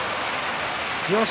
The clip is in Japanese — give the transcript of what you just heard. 千代翔